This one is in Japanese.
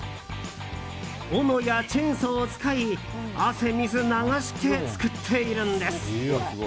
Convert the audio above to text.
おのやチェーンソーを使い汗水流して作っているんです。